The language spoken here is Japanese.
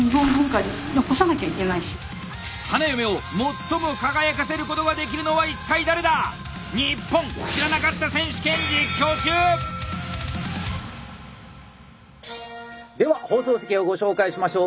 花嫁を最も輝かせることができるのは一体誰だ⁉では放送席をご紹介しましょう。